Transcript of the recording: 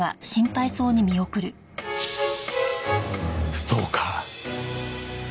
ストーカー。